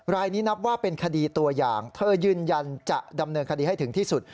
รายนี้นับว่าเป็นคดีตัวอย่างเธอยืนยันจะดำเนินคดีให้ถึงที่สุด